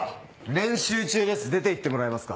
練習中です出ていってもらえますか。